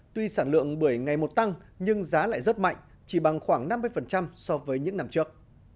tuy sản lượng bưởi ngày một tăng nhưng giá lại rất mạnh chỉ bằng khoảng năm mươi so với những năm trước